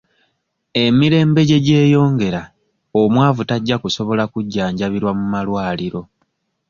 Emirembe gye gyeyongera omwavu tajja kusobola kujjanjabirwa mu malwaliro.